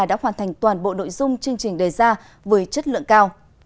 đã hoàn thành toàn bộ nội dung chương trình đề ra với chất lượng cao